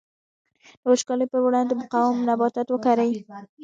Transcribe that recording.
د وچکالۍ پر وړاندې مقاوم نباتات وکري.